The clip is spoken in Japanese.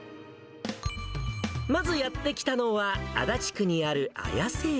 まずやって来たのは、足立区にある綾瀬駅。